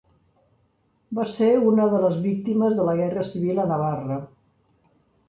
Va ser una de les Víctimes de la Guerra Civil a Navarra.